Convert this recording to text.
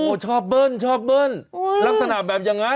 ชอบเบิ้ลชอบเบิ้ลลักษณะแบบอย่างนั้น